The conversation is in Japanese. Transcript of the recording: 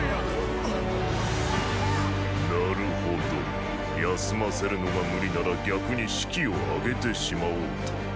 なるほど休ませるのが無理なら逆に士気を上げてしまおうと。